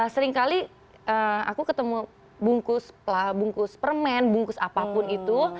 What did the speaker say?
seringkali aku ketemu bungkus permen bungkus apapun itu